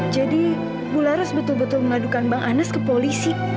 jadi ibu laras betul betul mengadukan bang anas ke polisi